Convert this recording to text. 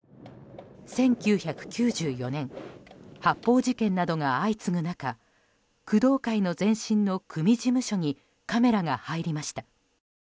１９９４年発砲事件などが相次ぐ中工藤会の前身の組事務所にカメラが入りました。